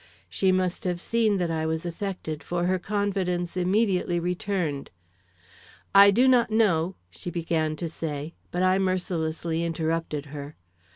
She must have seen that I was affected, for her confidence immediately returned. "I do not know, " she began to say. But I mercilessly interrupted her.